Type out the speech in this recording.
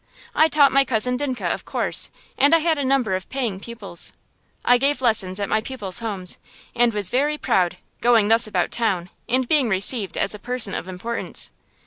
I taught my Cousin Dinke, of course, and I had a number of paying pupils. I gave lessons at my pupils' homes, and was very proud, going thus about town and being received as a person of importance.